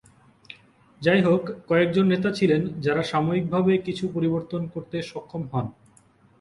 যাইহোক, কয়েকজন নেতা ছিলেন যারা সাময়িকভাবে কিছু পরিবর্তন করতে সক্ষম হন।